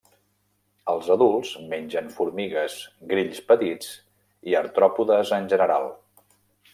Els adults mengen formigues, grills petits i artròpodes en general.